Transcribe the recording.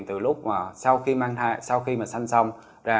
từ lúc mà sau khi mà sanh xong ra